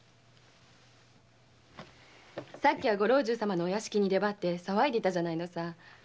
さっきは御老中様のお屋敷に出張って騒いでたじゃないのさ。